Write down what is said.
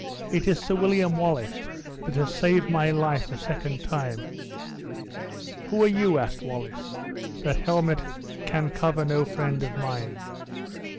It is Sir William Wallace that has saved my life a second time!" "Who are you?" asked Wallace; "that helmet can cover no friend of mine."